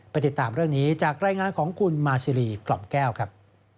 ติดตามเรื่องนี้จากรายงานของคุณมาซีรีกล่อมแก้วครับ